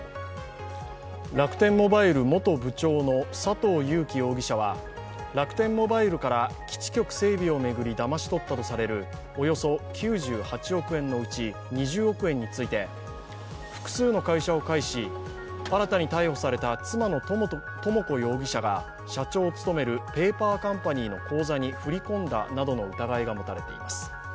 楽天モバイル元部長の佐藤友紀容疑者は楽天モバイルから基地局整備を巡りだまし取ったとされるおよそ９８億円のうち２０億円について複数の会社を介し新たに逮捕された妻の智子容疑者が社長を務めるペーパーカンパニーの口座に振り込んだなどの疑いが持たれています。